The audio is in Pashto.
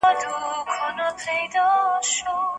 چوکۍ څه ډول ترتیب سوي دي؟